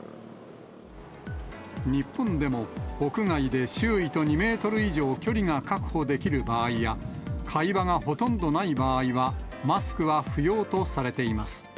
日本でも、屋外で周囲と２メートル以上距離が確保できる場合や、会話がほとんどない場合は、マスクは不要とされています。